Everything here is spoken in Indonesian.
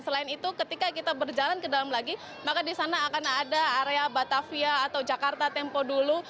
selain itu ketika kita berjalan ke dalam lagi maka di sana akan ada area batavia atau jakarta tempo dulu